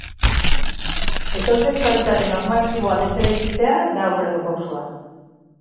Heterosexualitate normatiboa deseraikitzea da hurrengo pausoa.